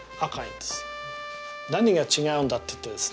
何が違うんだって言ったらですね